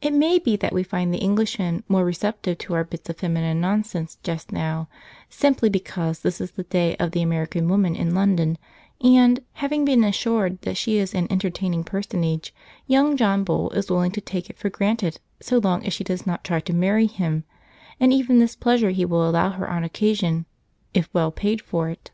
It may be that we find the Englishman more receptive to our bits of feminine nonsense just now, simply because this is the day of the American woman in London, and, having been assured that she is an entertaining personage, young John Bull is willing to take it for granted so long as she does not try to marry him, and even this pleasure he will allow her on occasion, if well paid for it.